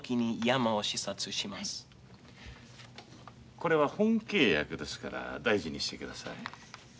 これは本契約ですから大事にしてください。